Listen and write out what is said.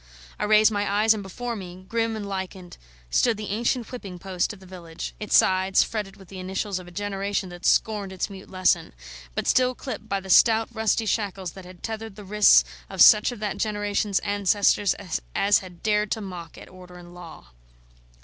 I raised my eyes, and before me, grim and lichened, stood the ancient whipping post of the village; its sides fretted with the initials of a generation that scorned its mute lesson, but still clipped by the stout rusty shackles that had tethered the wrists of such of that generation's ancestors as had dared to mock at order and law.